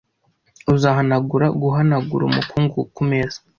Uzahanagura guhanagura umukungugu kumeza?